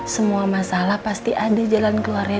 semua masalah pasti ada jalan keluarnya